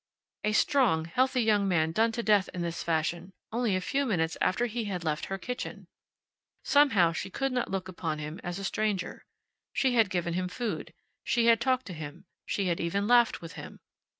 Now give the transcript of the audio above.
A strong, healthy young man done to death in this fashion only a few minutes after he had left her kitchen! Somehow she could not look upon him as a stranger. She had given him food; she had talked to him; she had even laughed with him.